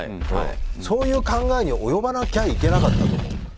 そういう考えに及ばなきゃいけなかったと思う。